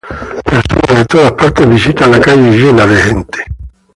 Personas de todas partes visitan la calle lleno de gente.